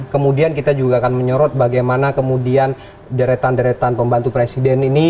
kemudian kita juga akan menyorot bagaimana kemudian deretan deretan pembantu presiden ini